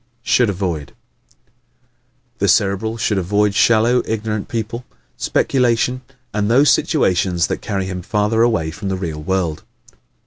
Should Avoid ¶ The Cerebral should avoid shallow, ignorant people, speculation and those situations that carry him farther away from the real world.